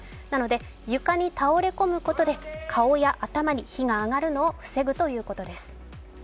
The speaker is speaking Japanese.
なので、床に倒れ込むことで顔や頭に火が上がるのを防ぐということです。